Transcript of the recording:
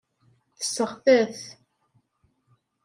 Tesseɣta-t.